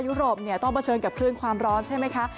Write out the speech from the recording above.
ยุโรปต้องเผชิญกับพื้นความร้อนใช่ไหมคะ